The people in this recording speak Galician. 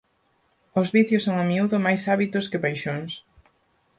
Os vicios son a miúdo máis hábitos que paixóns.